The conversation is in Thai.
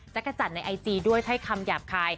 จักรจัดในไอจีด้วยให้คำหยาบคาย